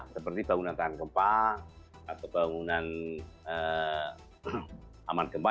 seperti bangunan tahan gempa atau bangunan aman gempa